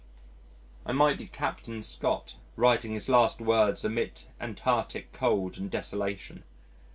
I might be Captain Scott writing his last words amid Antarctic cold and desolation.